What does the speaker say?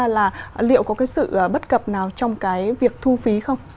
là liệu có sự bất cập nào trong việc thu phí không